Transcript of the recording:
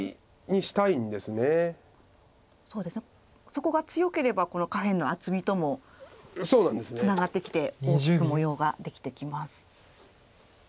そこが強ければこの下辺の厚みともツナがってきて大きく模様ができてきます。